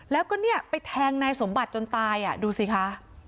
แล้วก็เนี่ยไปแทงนายสมบัติจนตายดูสิคะ